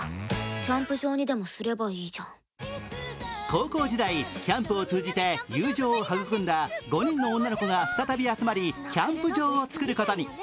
高校時代、キャンプを通じて友情を育んだ５人の女の子が再び集まりキャンプ場を作ることに。